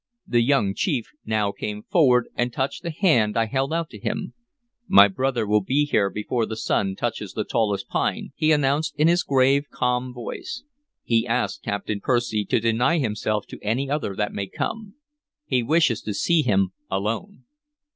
The young chief now came forward and touched the hand I held out to him. "My brother will be here before the sun touches the tallest pine," he announced in his grave, calm voice. "He asks Captain Percy to deny himself to any other that may come. He wishes to see him alone."